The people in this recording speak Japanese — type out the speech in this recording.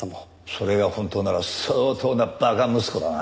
それが本当なら相当な馬鹿息子だな。